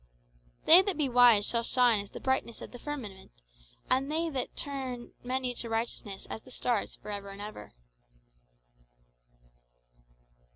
"'They that be wise shall shine as the brightness of the firmament, and they that turn many to righteousness as the stars for ever and ever.